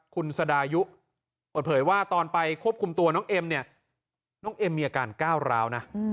คุณสดายุเปิดเผยว่าตอนไปควบคุมตัวน้องเอ็มเนี่ยน้องเอ็มมีอาการก้าวร้าวนะ